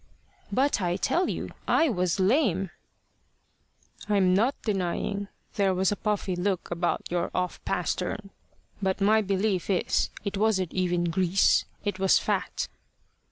"But I tell you I was lame." "I'm not denying there was a puffy look about your off pastern. But my belief is, it wasn't even grease it was fat."